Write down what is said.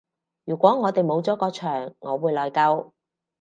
如果我哋冇咗個場我會內疚